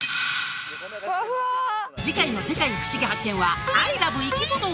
次回の「世界ふしぎ発見！」はアイラブいきもの